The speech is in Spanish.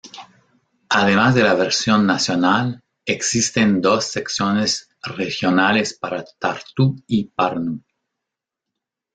Además de la versión nacional, existen dos secciones regionales para Tartu y Pärnu.